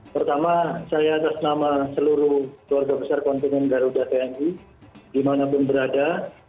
pertama saya atas nama seluruh keluarga besar kontinen garuda tni dimanapun berada